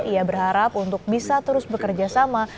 ia berharap untuk bisa terus bekerjasama